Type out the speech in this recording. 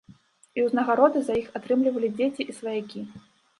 І ўзнагароды за іх атрымлівалі дзеці і сваякі.